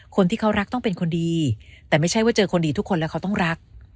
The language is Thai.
คนที่เขารักต้องเป็นคนดีแต่ไม่ใช่ว่าเจอคนดีทุกคนแล้วเขาต้องรัก